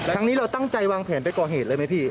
ครั้งนี้เราตั้งใจวางแผนไปก่อเหตุเลยไหมพี่